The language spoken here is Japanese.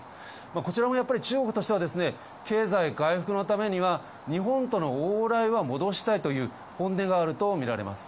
こちらもやっぱり中国としてはですね、経済回復のためには、日本との往来は戻したいという本音があると見られます。